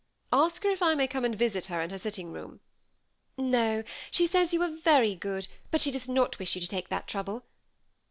" Ask her if I may come and visit her in her sitting room." " No ; she says you are very good, but she does not wish you to take that trouble.